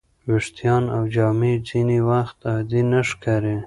ویښتان او جامې ځینې وخت عادي نه ښکاري.